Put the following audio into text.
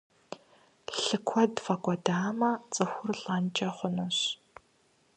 Лъы куэд фӀэкӀуэдамэ, цӀыхур лӀэнкӀэ хъунущ.